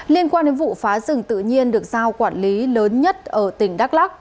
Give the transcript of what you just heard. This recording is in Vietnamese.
liên quan đến vụ phá rừng tự nhiên được giao quản lý lớn nhất ở tỉnh đắk lắc